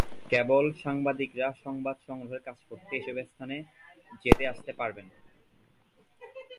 কেবল সাংবাদিকেরা সংবাদ সংগ্রহের কাজ করতে এসব স্থানে যেতে আসতে পারবেন।